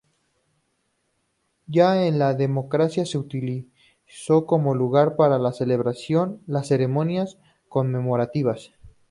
Ya en la democracia se utilizó como lugar para la celebración de ceremonias conmemorativas.